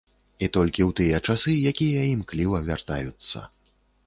І толькі ў тыя часы, якія імкліва вяртаюцца.